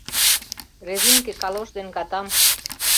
Резинке калош ден катам.